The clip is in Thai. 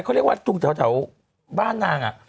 เขาเรียกว่าถูงถ้าตกให้บ้านนาง